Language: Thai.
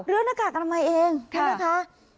หน้ากากอนามัยเองใช่ไหมคะ